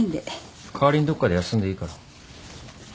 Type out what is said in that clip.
かわりにどっかで休んでいいから。